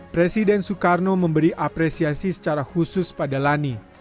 presiden soekarno memberi apresiasi secara khusus pada lani